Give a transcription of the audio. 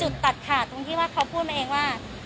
มันเป็นจุดตัดขาดตรงที่ว่าเขาพูดมาเองว่า